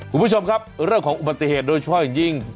คุณผู้ชมครับเรื่องของอุบัติเหตุโดยเฉพาะอย่างยิ่ง